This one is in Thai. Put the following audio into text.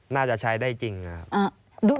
น่าจะใช้ได้จริงนะครับ